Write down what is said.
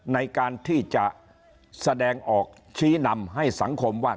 ในการที่จะแสดงออกชี้นำให้สังคมว่า